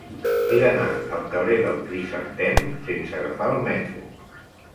He d'anar al carrer del Crisantem sense agafar el metro.